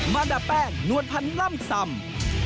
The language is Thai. มาดามแป้งนวลพันธ์ล่ำซำ